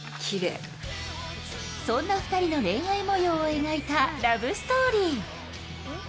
そんな２人の恋愛もようを描いたラブストーリー。